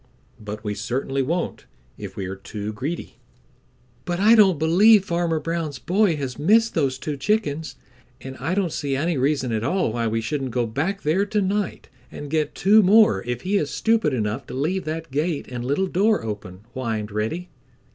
"But we certainly won't if we are too greedy." "But I don't believe Farmer Brown's boy has missed those two chickens, and I don't see any reason at all why we shouldn't go back there to night and get two more if he is stupid enough to leave that gate and little door open," whined Reddy.